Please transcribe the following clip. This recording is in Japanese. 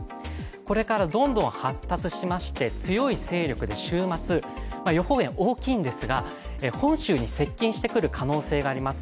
これからどんどん発達しまして強い勢力で週末、予報円、大きいんですが、本州に接近してくる可能性があります。